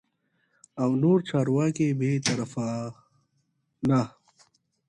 او نور چارواکي بې طرفانه